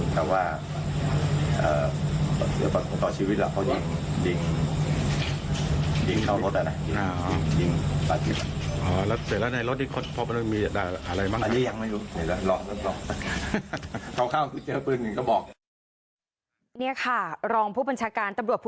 ด้านที่นี่ยังไม่ทราบเหตุหรือเหตุจากอะไรครับ